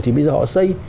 thì bây giờ họ xây